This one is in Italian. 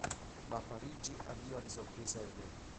Ma a Parigi arriva di sorpresa il re.